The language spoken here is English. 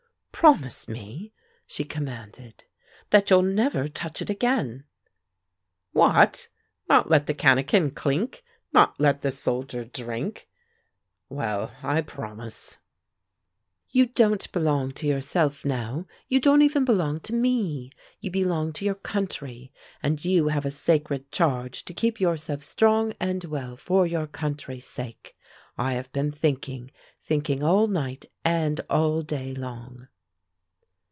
"Promise me," she commanded, "that you'll never touch it again!" "What! Not let the cannikin clink? Not let the soldier drink? Well, I promise." "You don't belong to yourself now; you don't even belong to me. You belong to your country, and you have a sacred charge to keep yourself strong and well for your country's sake. I have been thinking, thinking all night and all day long."